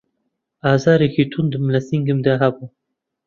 ئازارێکی توندم له سنگمدا هەبوو